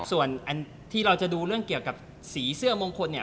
ส่วนอันที่เราจะดูเรื่องเกี่ยวกับสีเสื้อมงคลเนี่ย